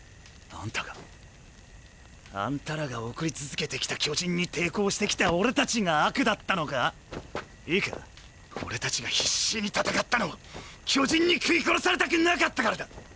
あんたが？あんたらが送り続けてきた巨人に抵抗してきた俺たちが悪だったのか⁉いいか⁉俺たちが必死に戦ったのは巨人に食い殺されたくなかったからだ！！